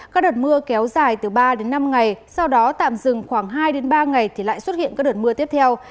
các đợt mưa kéo dài từ ba đến năm ngày sau đó tạm dừng khoảng hai ba ngày thì lại xuất hiện các đợt mưa tiếp theo